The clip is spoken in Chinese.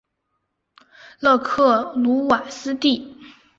勒克鲁瓦斯蒂。